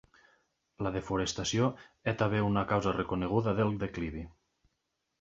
La desforestació és també una causa reconeguda del declivi.